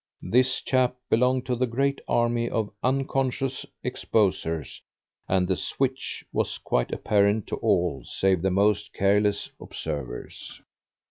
This chap belonged to the great army of unconscious exposers, and the "switch" was quite apparent to all save the most careless observers.